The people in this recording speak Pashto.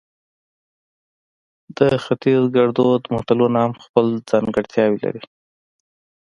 د ختیز ګړدود متلونه هم خپل ځانګړتیاوې لري